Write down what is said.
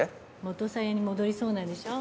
元さやに戻りそうなんでしょ？